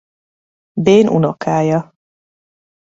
Bain unokája.